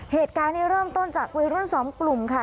เหตุการณ์นี้เริ่มต้นจากวัยรุ่นสองกลุ่มค่ะ